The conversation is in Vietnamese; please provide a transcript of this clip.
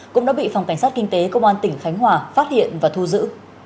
cũng đã bị phòng cảnh sát kinh tế công an tp thanh hóa phát hiện và thu giữ